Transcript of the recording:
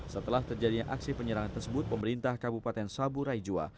setelah terjadinya aksi penyerangan tersebut pemerintah kabupaten saburai jua